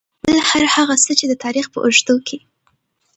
بل هر هغه څه چې د تاريخ په اوږدو کې .